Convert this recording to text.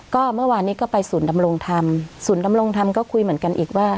ก็เมื่อวานนี้ก็ไปศูนย์ดำรงธรรมศูนย์ดำรงธรรมก็คุยเหมือนกันอีกว่า